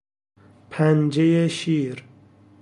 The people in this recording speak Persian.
پنجهی شیر